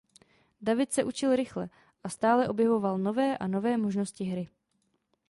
David se učil rychle a stále objevoval nové a nové možnosti hry.